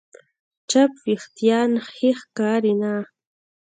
چپ وېښتيان ښې ښکاري نه.